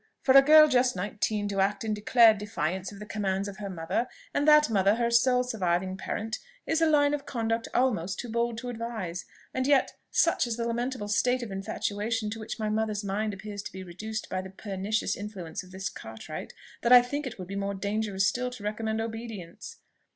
For a girl just nineteen to act in declared defiance of the commands of her mother, and that mother her sole surviving parent, is a line of conduct almost too bold to advise. And yet, such is the lamentable state of infatuation to which my mother's mind appears to be reduced by the pernicious influence of this Cartwright, that I think it would be more dangerous still to recommend obedience."